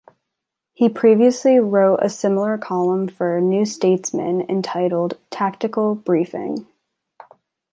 He previously wrote a similar column for "New Statesman", entitled 'Tactical Briefing'.